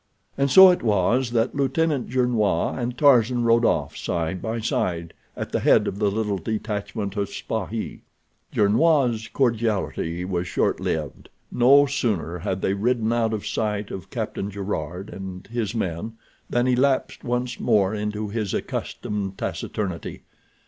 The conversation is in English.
And so it was that Lieutenant Gernois and Tarzan rode off side by side at the head of the little detachment of spahis. Gernois' cordiality was short lived. No sooner had they ridden out of sight of Captain Gerard and his men than he lapsed once more into his accustomed taciturnity.